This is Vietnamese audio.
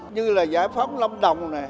như là giải phóng long đồng nè